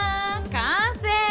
完成！